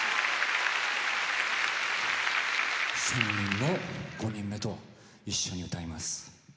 １，０００人の５人目と一緒に歌います。